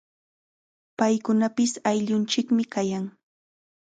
Paykunapis ayllunchikmi kayan.